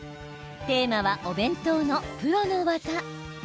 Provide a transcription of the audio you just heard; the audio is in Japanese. テーマは、お弁当のプロの技。